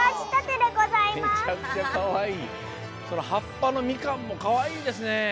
はっぱのみかんもかわいいですね。